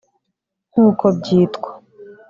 Nk’uko byitwa